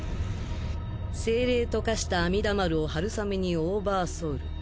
精霊と化した阿弥陀丸を春雨にオーバーソウル。